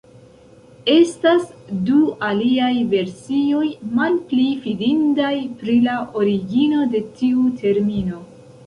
Estas du aliaj versioj, malpli fidindaj, pri la origino de tiu termino.